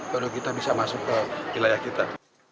kalau kita bisa masuk ke wilayah kita